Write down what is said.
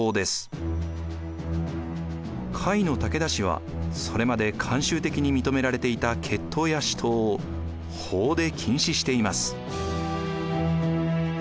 甲斐の武田氏はそれまで慣習的に認められていた決闘や私闘を法で禁止しています。